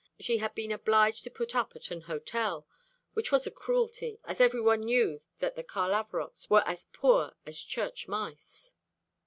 She had been obliged to put up at an hotel, which was a cruelty, as everyone knew that the Carlavarocks were as poor as church mice.